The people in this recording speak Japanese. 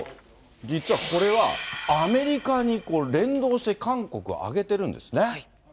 実はこれはアメリカに連動して韓国、上げているんですね。